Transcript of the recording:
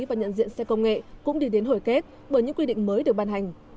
anh vũ cũng đi đến hồi kết bởi những quy định mới được ban hành